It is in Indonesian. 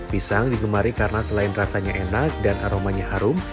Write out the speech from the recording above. pisang digemari karena selain rasanya enak dan aromanya harum